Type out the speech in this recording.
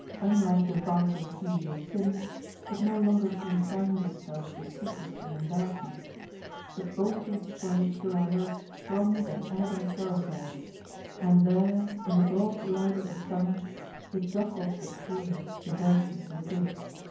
Unlike the vice of a few years since, it no longer confines itself to secrecy and darkness, but boldly strides through our most thronged and elegant thoroughfares, and there, in the broad light of the sun, it jostles the pure, the virtuous, and the good.